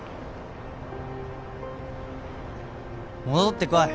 「戻ってこい！